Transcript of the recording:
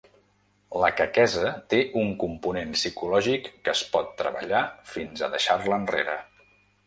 La quequesa té un component psicològic que es pot treballar fins a deixar-la enrere.